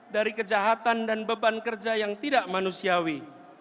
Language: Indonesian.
dari kejahatan dan beban kerja yang tidak manusiawi